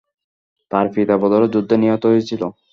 তার পিতা বদরের যুদ্ধে নিহত হয়েছিল।